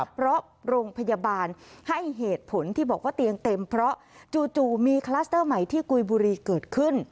เพราะโรงพยาบาลให้เหตุผลที่บอกว่าเตียงเต็มเพราะจู่มีคลัสเตอร์ใหม่ที่กุยบุรีเกิดขึ้น